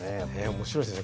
面白いですね